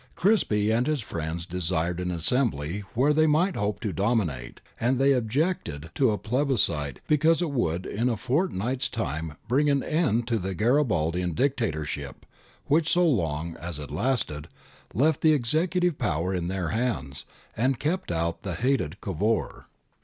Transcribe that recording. Crispi and his friends desired an assembly where they might hope to dominate, and they objected to a plebiscite because it would in a fortnight's time bring to an end the Garibaldian Dictatorship which, so long as it lasted, left the executive power in their hands and kept out the hated Cavour.